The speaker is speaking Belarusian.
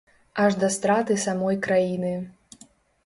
Аж да страты самой краіны.